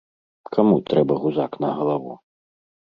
Каму трэба гузак на галаву?